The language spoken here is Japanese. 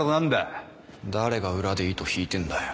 誰が裏で糸引いてんだよ。